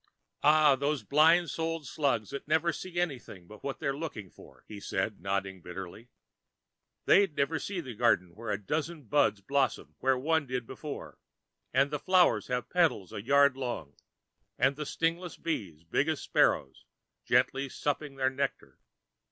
"Aye, and those blind souled slugs would never see anything but what they're looking for," he said, nodding bitterly. "They'd never see the garden where a dozen buds blossom where one did before, and the flowers have petals a yard across, with stingless bees big as sparrows gently supping their nectar.